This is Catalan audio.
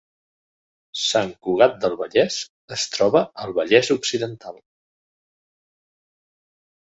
Sant Cugat del Vallès es troba al Vallès Occidental